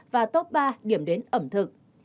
và top ba điểm đến ẩm thực